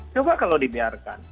coba kalau dibiarkan